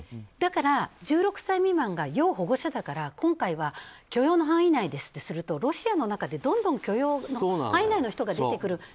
だから１６歳未満が要保護者だから今回は許容の範囲内ですとするとロシアの中で許容の範囲内の人が出てくる。